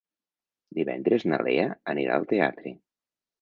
Divendres na Lea anirà al teatre.